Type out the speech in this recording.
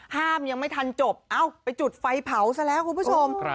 ห้ามยังไม่ทันจบเอ้าไปจุดไฟเผาซะแล้วคุณผู้ชม